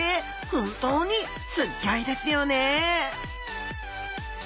本当にすっギョいですよね